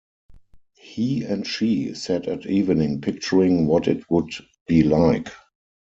He and she sat at evening picturing what it would be like.